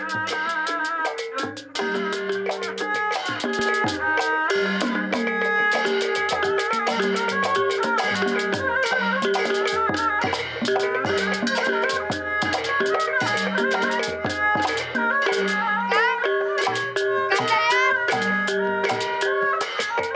kau tangan minha banyak